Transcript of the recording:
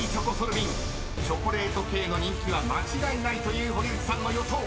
［チョコレート系の人気は間違いないという堀内さんの予想］